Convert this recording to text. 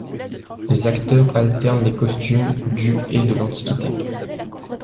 Les acteurs alternent les costumes du et de l'Antiquité.